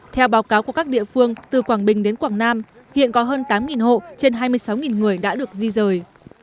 theo báo cáo của các địa phương từ quảng bình đến quảng nam hiện có hơn tám hộ trên hai mươi sáu người đã được di rời